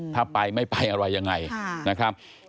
ถ้าไปไม่ไปอะไรยังไงนะครับ